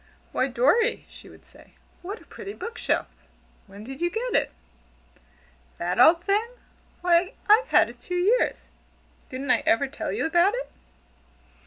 "Why, Dorry," she would say, "what a pretty book shelf! When did you get it?" "That old thing! Why, I've had it two years. Didn't I ever tell you about it?"